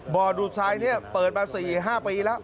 ดูดทรายนี้เปิดมา๔๕ปีแล้ว